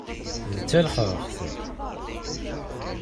D talexxaxt!